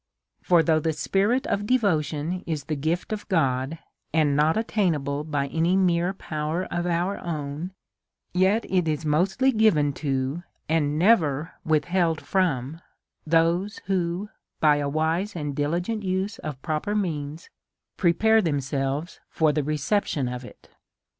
For, though the spirit of devotion is the g ift of God, and not attainable by any mere power of our own, yet it is mostly g iven, and never withheld, from those who, by a wise and diligent use of proper means, prepare themselves for the reception of it.